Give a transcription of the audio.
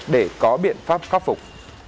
để có biện pháp khắc phục